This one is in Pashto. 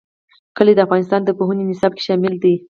کلي د افغانستان د پوهنې نصاب کې شامل دي.